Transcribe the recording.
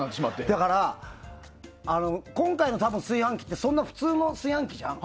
だから、今回の炊飯器って普通の炊飯器じゃん。